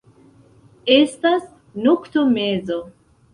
Estas noktomezo.